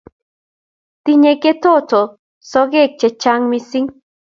Tinyei ketoto sokek chechang missing